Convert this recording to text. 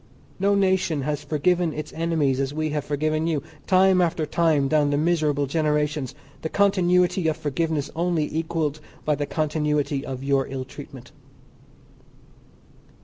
No nation has forgiven its enemies as we have forgiven you, time after time down the miserable generations, the continuity of forgiveness only equalled by the continuity of your ill treatment.